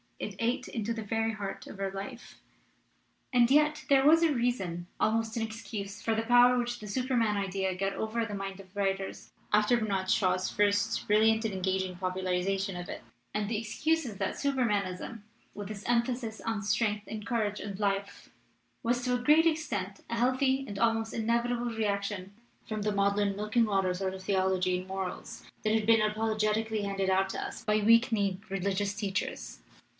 It ate into the very heart of our life. "And yet there was a reason, almost an excuse, for the power which the Superman idea got over the minds of writers after Bernard Shaw's first brilliant and engaging popularization of it. And the excuse is that Supermanism, with its emphasis on strength and courage and life, was to a great extent a healthy and almost inevitable reaction from the maudlin milk and water sort of theol ogy and morals that had been apologetically handed out to us by weak kneed religious teachers.